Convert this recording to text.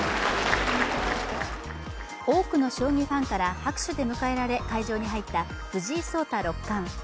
多くの将棋ファンから拍手で迎えられ、会場に入った藤井聡太六冠。